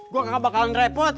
gue gak bakalan repot